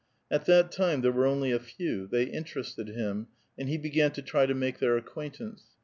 At that time there were only a few ; they interested him, and he began to try to make tlieir acquaintance.